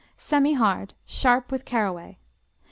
_ Semihard; sharp with caraway.